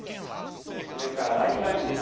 それからライフラインです。